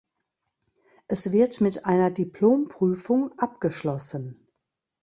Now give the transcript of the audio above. Es wird mit einer Diplomprüfung abgeschlossen.